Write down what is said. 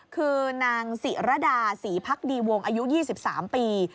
คือนางศิรดาศรีพักดีวงอายุ๒๓ปี